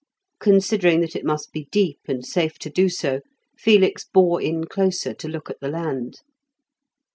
Considering that it must be deep, and safe to do so, Felix bore in closer to look at the land.